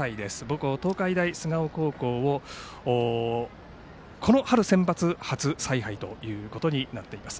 母校・東海大菅生高校をこの春センバツ初采配となっています。